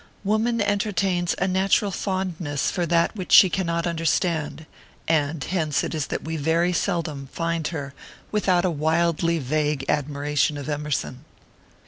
Woman entertains a natural fondness for that which she can not understand, and hence it is that we very seldom find her without a wildly vague admiration of Emerson.